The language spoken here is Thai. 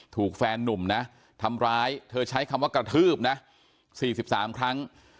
ถูกแฟนนุ่มนะทำร้ายเธอใช้คำว่ากระทืบนะ๔๓ครั้ง